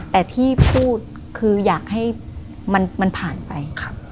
แต่ที่พูดคืออยากให้มันผ่านไป